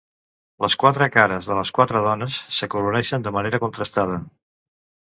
Les quatre cares de les quatre dones s'acoloreixen de manera contrastada.